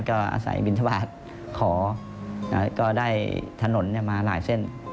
ก็อาศัยบินทบาทขอแล้วก็ได้ถนนมาหลายเส้น